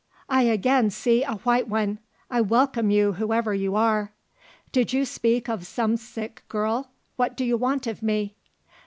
I again see a white one! I welcome you whoever you are. Did you speak of some sick girl? What do you want of me?"